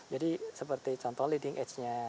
jadi seperti contoh leading edge nya